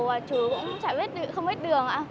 và chú cũng chả biết không biết đường ạ